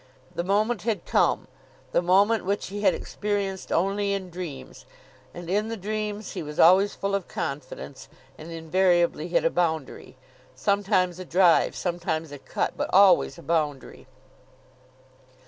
The moment had come, the moment which he had experienced only in dreams. And in the dreams he was always full of confidence, and invariably hit a boundary. Sometimes a drive, sometimes a cut, but always a boundary.